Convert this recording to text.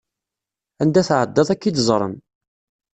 Anda tεeddaḍ ad k-id-ẓren.